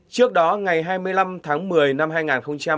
trước đó ngày hai mươi ba tháng năm nguyễn văn hà đã trả giá đắt cho hành động pháp